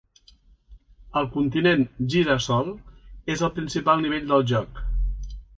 El Continent Gira-sol és el principal nivell del joc.